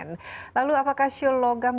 tahun tikus logam